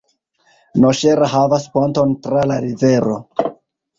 Noŝera havas ponton tra la rivero.